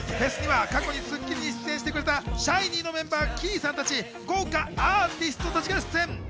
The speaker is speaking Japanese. フェスには過去に『スッキリ』に出演してくれたＳＨＩＮｅｅのメンバー、ＫＥＹさんたち豪華アーティストたちが出演。